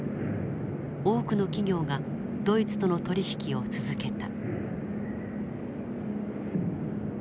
多くの企業がドイツとの取り引きを続けた。